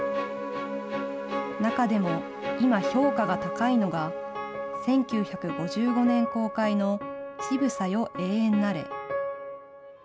中でも、今、評価が高いのが、１９５５年公開の乳房よ永遠なれ。